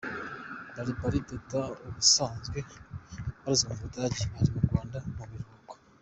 Barbara Teta ubusanzwe ubarizwa mu Budage, ari mu Rwanda mu biruhuko.